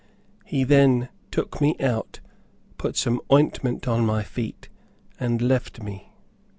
He then took me out, put some ointment on my feet and left me.